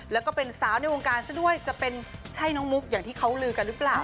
แล้วก็เป็นสาวในวงการซะด้วยจะเป็นใช่น้องมุกอย่างที่เขาลือกันหรือเปล่า